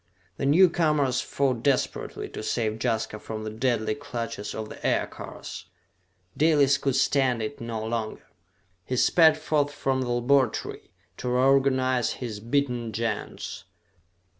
The newcomers fought desperately to save Jaska from the deadly clutches of the aircars. Dalis could stand it no longer. He sped forth from the laboratory, to reorganize his beaten Gens.